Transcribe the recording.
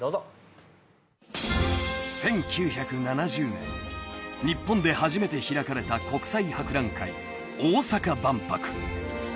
［１９７０年日本で初めて開かれた国際博覧会大阪万博］